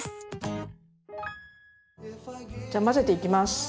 じゃあ混ぜていきます。